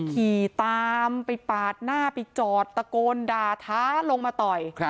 ขี่ตามไปปาดหน้าไปจอดตะโกนด่าท้าลงมาต่อย